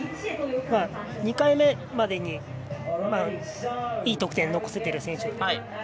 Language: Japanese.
２回目までにいい得点を残せてる選手。